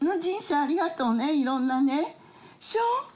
ありがとうねいろんなねショウ」。